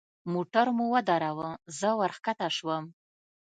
موټر مو ودراوه زه ورکښته سوم.